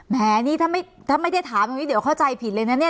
แหมนี่ถ้าไม่ได้ถามตรงนี้เดี๋ยวเข้าใจผิดเลยนะเนี่ย